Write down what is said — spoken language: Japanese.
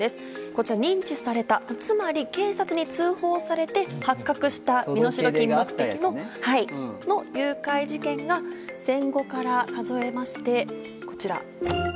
こちら認知されたつまり警察に通報されて発覚した身代金目的の。の誘拐事件が戦後から数えましてこちら。